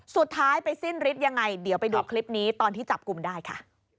สุดท้ายไปสิ้นฤทธิ์ยังไงเดี๋ยวไปดูคลิปนี้ตอนที่จับกลุ่มได้ค่ะ